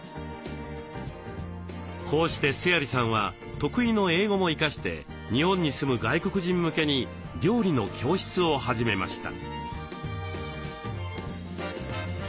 こうして須鑓さんは得意の英語も生かして日本に住む外国人向けに料理の教室を始めました。